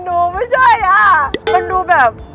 หนูไม่ใช่อะมันดูแบบ